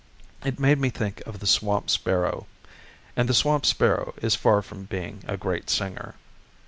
It made me think of the swamp sparrow; and the swamp sparrow is far from being a great singer.